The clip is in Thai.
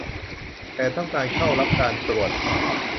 แต่ต้องการเข้ารับการตรวจ